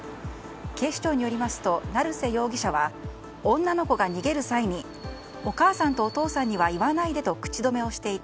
警視庁によりますと成瀬容疑者は女の子が逃げる際にお母さんとお父さんには言わないでと口止めをしていて